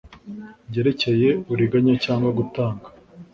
Byerekeye uburiganya cyangwa gutanga